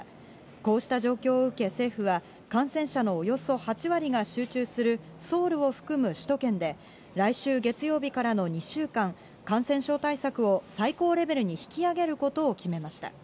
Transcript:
こうした状況を受け政府は感染者のおよそ８割が集中するソウルを含む首都圏で、来週月曜日からの２週間、感染症対策を最高レベルに引き上げることを決めました。